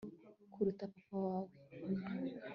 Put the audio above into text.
kuruta papa wawe